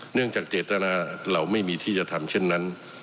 เนื่องจากเจตนาเราไม่มีที่จะทำเช่นนั้น